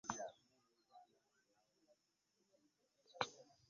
Atwine yategeezezza nti Bannayuganda tebalina kugendera ku ŋŋambo ezo